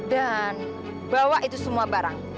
dan bawa itu semua barang